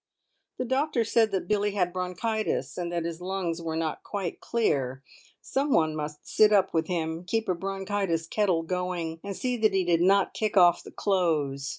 The doctor said that Billie had bronchitis, and that his lungs were not quite clear. Someone must sit up with him, keep a bronchitis kettle going, and see that he did not kick off the clothes.